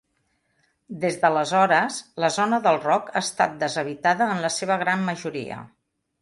Des d'aleshores, la zona del Rog ha estat deshabitada en la seva gran majoria.